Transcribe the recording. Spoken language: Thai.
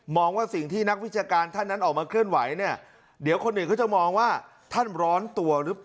มองว่าสิ่งที่นักวิจการท่านนั้นออกมาเคลื่อนไหว